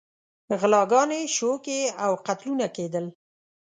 غلاګانې، شوکې او قتلونه کېدل.